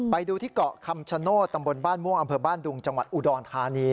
ไปดูที่เกาะคำชโนธตำบลบ้านม่วงอำเภอบ้านดุงจังหวัดอุดรธานี